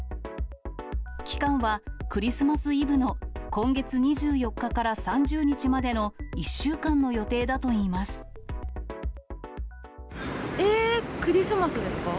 期間はクリスマスイブの今月２４日から３０日までの１週間の予定えー、クリスマスですか？